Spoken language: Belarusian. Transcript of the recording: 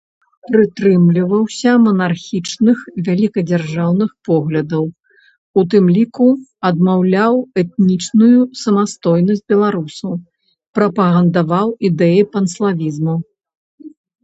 Прытрымліваўся манархічных вялікадзяржаўных поглядаў, у тым ліку адмаўляў этнічную самастойнасць беларусаў, прапагандаваў ідэі панславізму.